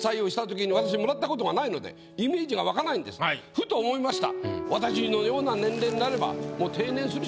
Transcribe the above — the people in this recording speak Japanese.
ふと思いました。